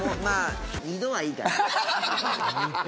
まぁ、２度はいいかな。